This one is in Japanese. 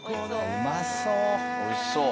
うまそう。